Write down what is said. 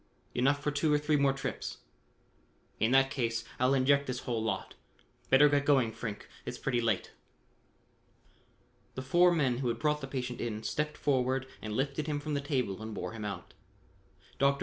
"Enough for two or three more trips." "In that case, I'll inject this whole lot. Better get going, Frink, it's pretty late." The four men who had brought the patient in stepped forward and lifted him from the table and bore him out. Dr.